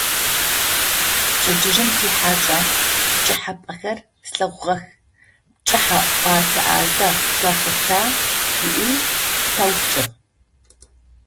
Пчэдыжьым тихьакӏэ, - «Пкӏыхьапӏэхэр слъэгъугъэх, пкӏыхь ӏотэ ӏазэ шъухэта?», - ыӏуи къытэупчӏыгъ.